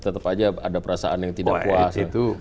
tetap aja ada perasaan yang tidak puas